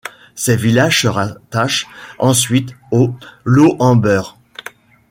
Ces villages se rattachent ensuite à Lauenburg.